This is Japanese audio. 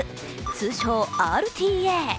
通称・ＲＴＡ。